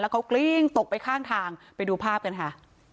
เขากลิ้งตกไปข้างทางไปดูภาพกันค่ะ